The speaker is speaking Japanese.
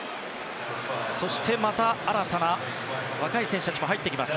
そして、また新たな若い選手たちも入ってきます。